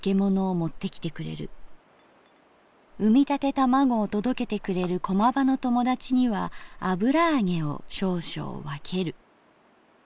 生みたて玉子を届けてくれる駒場の友達には油揚げを少々わける」。